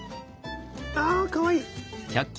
あかわいい。